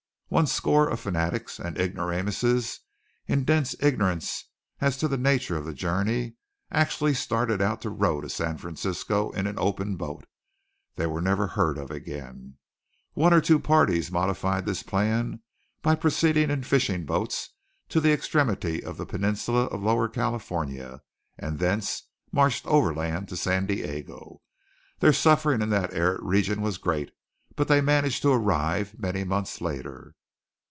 One score of fanatics and ignoramuses, in dense ignorance as to the nature of the journey, actually started out to row to San Francisco in an open boat! They were never heard of again. One or two parties modified this plan by proceeding in fishing boats to the extremity of the peninsula of Lower California, and thence marched overland to San Diego. Their sufferings in that arid region were great, but they managed to arrive many months later.